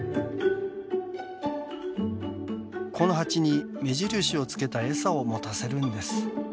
このハチに目印をつけた餌を持たせるんです。